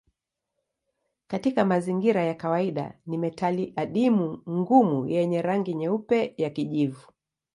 Katika mazingira ya kawaida ni metali adimu ngumu yenye rangi nyeupe ya kijivu.